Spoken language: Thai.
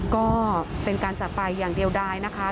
ก็เป็นการจากไปอย่างเดียวได้นะคะ